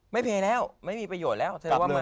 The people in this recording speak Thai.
ไม่เทอแล้วไม่มีประโยชน์แล้ว